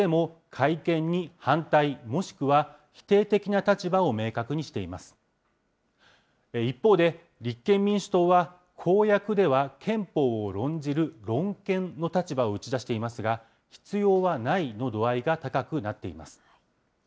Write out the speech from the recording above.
３党は公約でも改憲に反対もしくは否定的な立場を一方で立憲民主党は、公約では憲法を論じる論憲の立場を打ち出していますが、必要はないの度合いが高くなっています。